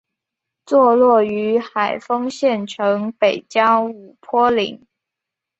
坐落于海丰县城北郊五坡岭。